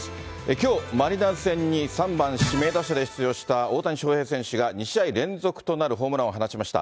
きょう、マリナーズ戦に３番指名打者で出場した大谷翔平選手が２試合連続となるホームランを放ちました。